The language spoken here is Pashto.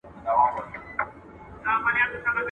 د کبر کاسه نسکوره ده.